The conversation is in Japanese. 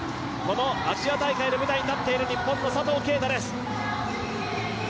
アジア大会の舞台に立っている日本の佐藤圭汰です。